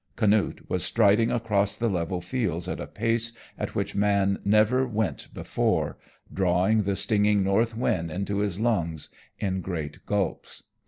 Canute was striding across the level fields at a pace at which man never went before, drawing the stinging north wind into his lungs in great gulps.